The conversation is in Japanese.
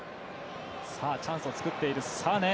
チャンスを作っているサネ。